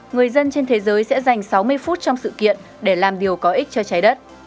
người dân trên thế giới sẽ dành sáu mươi phút trong sự kiện để làm điều có ích cho trái đất